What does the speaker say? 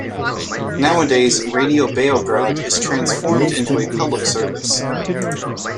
Nowadays, Radio Beograd is transformed into a public service.